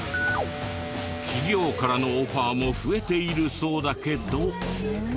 企業からのオファーも増えているそうだけど。